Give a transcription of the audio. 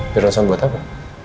di ronsen buat apa